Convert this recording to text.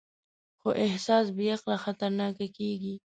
خو احساس بېعقله خطرناک کېږي.